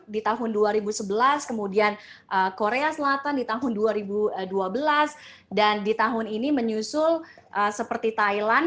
di tahun dua ribu sebelas kemudian korea selatan di tahun dua ribu dua belas dan di tahun ini menyusul seperti thailand